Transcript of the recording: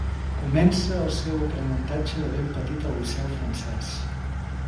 Comença el seu aprenentatge de ben petit al Liceu Francès.